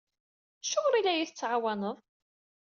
Acuɣer i la iyi-tettɛawaneḍ?